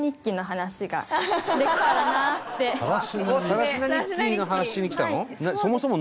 『更級日記』の話しに来たの？